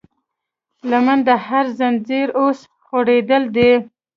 لمن د هر زنځير اوس خورېدلی دی